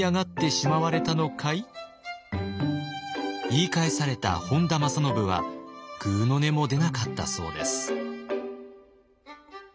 言い返された本多正信はぐうの音も出なかったそうです。